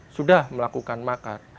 sudah melakukan makar